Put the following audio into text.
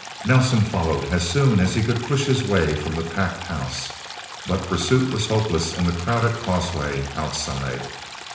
Nelsen followed as soon as he could push his way from the packed house. But pursuit was hopeless in the crowded causeway outside.